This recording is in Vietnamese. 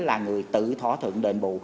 là người tự thỏa thuận đền bù